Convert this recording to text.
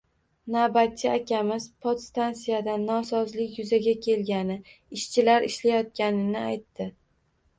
Navbatchi akamiz podstansiyada nosozlik yuzaga kelgani, ishchilar ishlashayotganini aytdi.